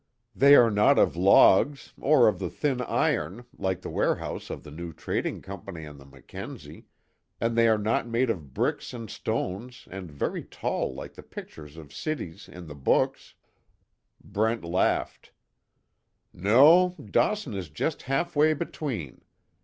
They are not of logs, or of the thin iron like the warehouse of the new trading company on the Mackenzie, and they are not made of bricks and stones and very tall like the pictures of cities in the books." Brent laughed: "No, Dawson is just half way between.